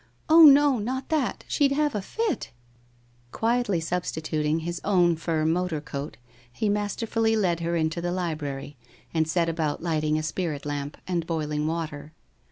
1 Oh, no, not that. She'd have a fit !' Quietly substituting his own fur motor coat, he master fully led her into the library, and set about lighting a spirit lamp and boiling water.